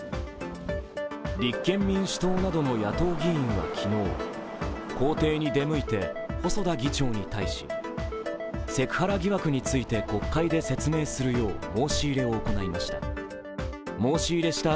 立憲民主党などの野党議員は昨日公邸に出向いて細田議長に対しセクハラ疑惑について国会で説明するよう申し入れを行いました。